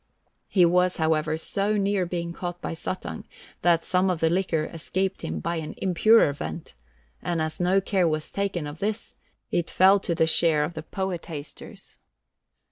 He was however, so near being caught by Suttung, that some of the liquor escaped him by an impurer vent, and as no care was taken of this it fell to the share of the poetasters.